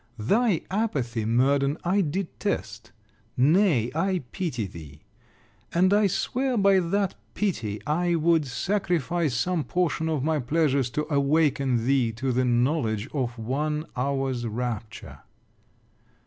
Thy apathy, Murden, I detest. Nay, I pity thee. And I swear by that pity, I would sacrifice some portion of my pleasures, to awaken thee to the knowledge of one hour's rapture.